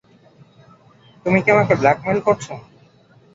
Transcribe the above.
তুমি কি আমাকে ব্ল্যাকমেইল করছো?